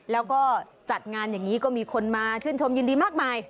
แล้วก็จัดงานอย่างนี้ก็มีคนมาชื่นชมยินดีมากมาย